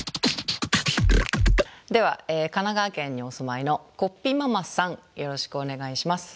では神奈川県にお住まいのこっぴママさんよろしくお願いします。